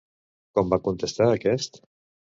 Com va contestar aquest?